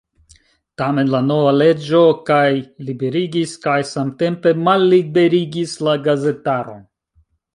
Tamen la nova leĝo kaj liberigis kaj samtempe malliberigis la gazetaron.